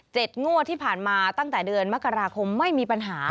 งวดที่ผ่านมาตั้งแต่เดือนมกราคมไม่มีปัญหา